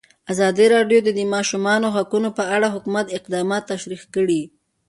ازادي راډیو د د ماشومانو حقونه په اړه د حکومت اقدامات تشریح کړي.